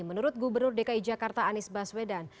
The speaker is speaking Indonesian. menurut gubernur dki jakarta anies baswedan